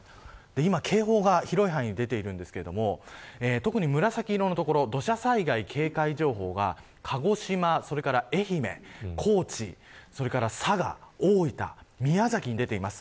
今、警報が広い範囲で出ていますが特に紫色の所土砂災害警戒情報が鹿児島、愛媛、高知佐賀、大分、宮崎に出ています。